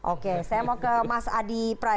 oke saya mau ke mas adi prayit